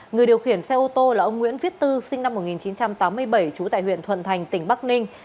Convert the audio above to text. người điều khiển xe ô tô là ông nguyễn viết tư sinh năm một nghìn chín trăm tám mươi bảy trú tại huyện thuận thành tỉnh bắc ninh